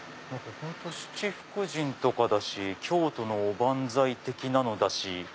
本当七福神とかだし京都のお番菜的なのだし。